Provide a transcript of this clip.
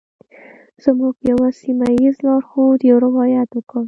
زموږ یوه سیمه ایز لارښود یو روایت وکړ.